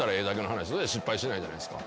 失敗しないじゃないですか。